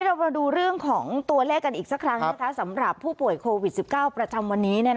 เรามาดูเรื่องของตัวเลขกันอีกสักครั้งสำหรับผู้ป่วยโควิด๑๙ประจำวันนี้